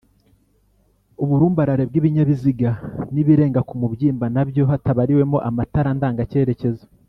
uburumbarare bw’ibinyabiziga n’ibirenga kumubyimba nabyo hatabariwemo amatara ndanga cyerekezo